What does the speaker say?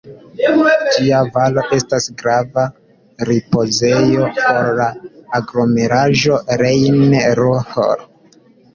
Ĝia valo estas grava ripozejo por la aglomeraĵo Rejn-Ruhr.